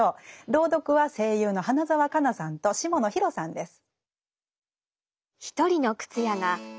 朗読は声優の花澤香菜さんと下野紘さんです。